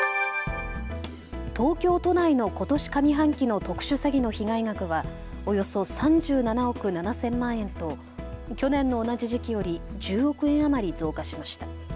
東京都内のことし上半期の特殊詐欺の被害額はおよそ３７億７０００万円と去年の同じ時期より１０億円余り増加しました。